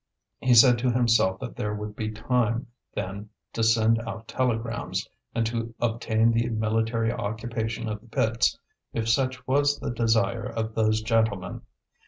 He said to himself that there would be time then to send out telegrams, and to obtain the military occupation of the pits, if such was the desire of those gentlemen.